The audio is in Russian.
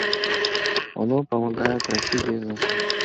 Оно помогает расти бизнесу.